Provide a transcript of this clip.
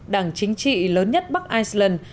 đảng chính trị lớn nhất bắc iceland